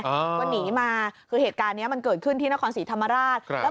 ก็หนีมาคือเหตุการณ์เนี้ยมันเกิดขึ้นที่นครศรีธรรมราชครับ